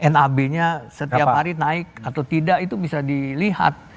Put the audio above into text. nab nya setiap hari naik atau tidak itu bisa dilihat